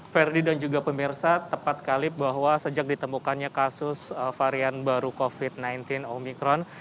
ferdi dan juga pemirsa tepat sekali bahwa sejak ditemukannya kasus varian baru covid sembilan belas omikron